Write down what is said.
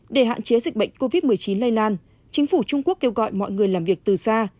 để hạn chế dịch bệnh covid một mươi chín lây lan chính phủ trung quốc kêu gọi mọi người làm việc từ xa